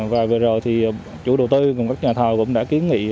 và vừa rồi thì chủ đầu tư cùng các nhà thầu cũng đã kiến nghị